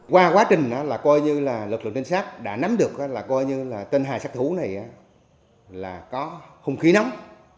qua quá trình là coi như là lực lượng trinh sát đã nắm được là coi như là tên hà sát thủ này là có hung khí nóng